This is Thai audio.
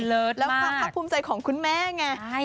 แล้วภาพภูมิใจของคุณแม่ไง